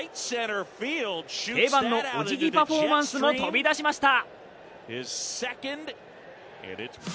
定番のおじぎパフォーマンスも飛び出しました。